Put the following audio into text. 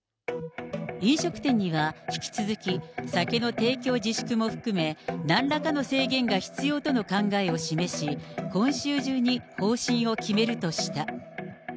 飲食店には引き続き酒の提供自粛も含め、なんらかの制限が必要との考えを示し、今週中に方針を決めるとした。